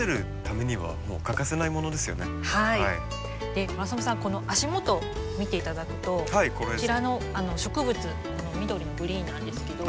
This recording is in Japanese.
で村雨さんこの足元見て頂くとこちらの植物この緑のグリーンなんですけど。